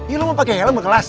iya lo mau pake helm ke kelas